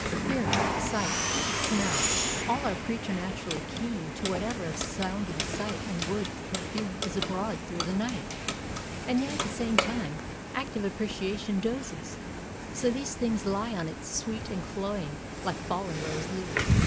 Hearing, sight, smell—all are preternaturally keen to whatever of sound and sight and woods perfume is abroad through the night; and yet at the same time active appreciation dozes, so these things lie on it sweet and cloying like fallen rose leaves.